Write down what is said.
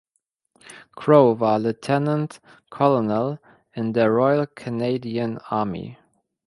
Crowe war Lieutenant Colonel in der Royal Canadian Army.